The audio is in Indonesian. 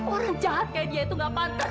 orang jahat kayak dia itu gak pantas